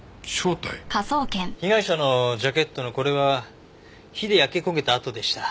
被害者のジャケットのこれは火で焼け焦げた跡でした。